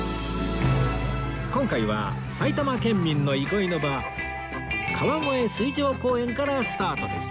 今回は埼玉県民の憩いの場川越水上公園からスタートです